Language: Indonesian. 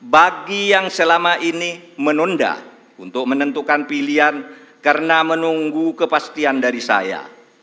bagi yang selama ini menunda untuk menentukan pilihan karena menunggu kepastian dari saya